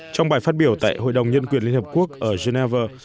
trong bài phát biểu tại hội đồng nhân quyền liên hợp quốc ở geneva